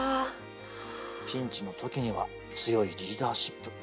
ピンチの時には強いリーダーシップ。